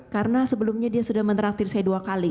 karena sebelumnya dia sudah menraktir saya dua kali